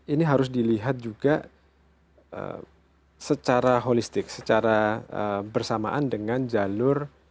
ini harus dilihat juga secara holistik secara bersamaan dengan jalur